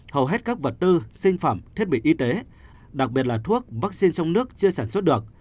hầu hết các vật tư sinh phẩm thiết bị y tế đặc biệt là thuốc vaccine trong nước chưa sản xuất được